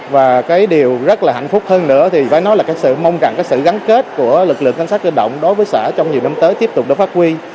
và cái điều rất là hạnh phúc hơn nữa thì phải nói là mong rằng sự gắn kết của lực lượng cảnh sát cơ động đối với xã trong nhiều năm tới tiếp tục đã phát huy